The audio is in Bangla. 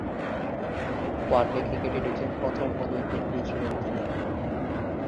ওয়ানডে ক্রিকেটে নিজের প্রথম বলে উইকেট নিয়েছিলেন তিনি।